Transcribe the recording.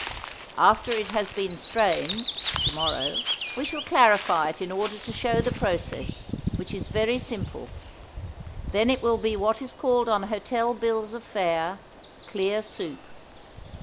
After it has been strained, to morrow, we shall clarify it in order to show the process, which is very simple. Then it will be what is called on hotel bills of fare clear soup.